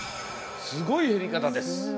すごい減り方です。